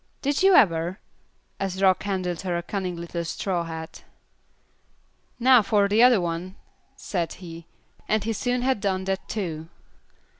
Did you ever?" as Rock handed her a cunning little straw hat. "Now for the other one," said he, and he soon had that done too.